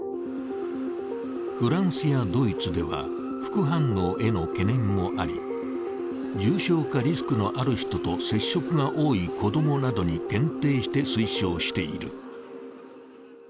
フランスやドイツでは副反応への懸念もあり、重症化リスクのある人と接触が多い子供などに限定して推奨している。